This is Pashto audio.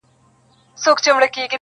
o ما و شیخ بېګا له یو خومه چيښله,